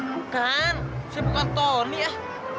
bukan saya bukan tony ya